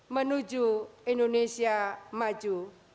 menuju indonesia maju